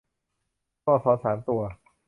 ตัวอักษรสามตัว